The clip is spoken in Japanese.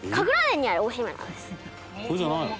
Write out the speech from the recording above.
「これじゃないの？」